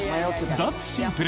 脱シンプル。